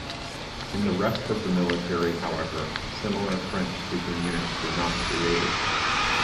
In the rest of the military, however, similar French-speaking units were not created.